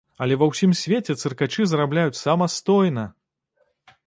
Але ва ўсім свеце цыркачы зарабляюць самастойна!